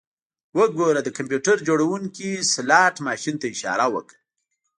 وګوره د کمپیوټر جوړونکي سلاټ ماشین ته اشاره وکړه